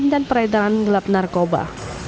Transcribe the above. dan peredaran gelap narkoba